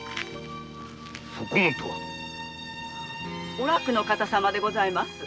お楽の方様でございます。